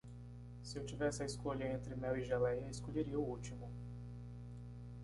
Se eu tivesse a escolha entre mel e geleia, escolheria o último.